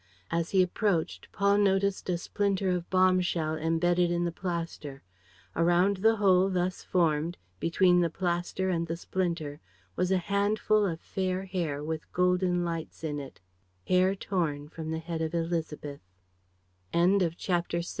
As he approached, Paul noticed a splinter of bomb shell embedded in the plaster. Around the hole thus formed, between the plaster and the splinter, was a handful of fair hair with golden lights in it, hair torn from the head of Élisabeth. CHAPTER VII H. E. R.